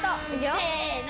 せの！